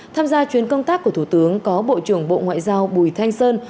tham gia chuyến công tác của thủ tướng có bộ trưởng bộ ngoại giao bùi thanh sơn